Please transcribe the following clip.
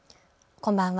こんばんは。